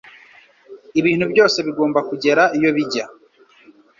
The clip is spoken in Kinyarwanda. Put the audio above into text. Ibintu byose bigomba kugera iyo bijya